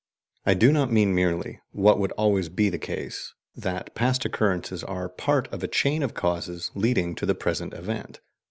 I do not mean merely what would always be the case that past occurrences are part of a CHAIN of causes leading to the present event.